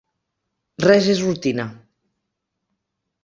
Res és rutina.